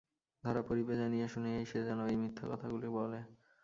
ধরা পড়িবে জানিয়া শুনিয়াই সে যেন এই মিথ্যাকথাগুলি বলে।